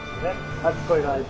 初恋の相手。